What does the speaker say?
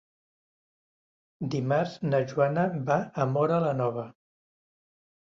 Dimarts na Joana va a Móra la Nova.